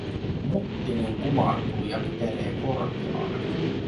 Muttinen kumartuu ja pitelee korviaan.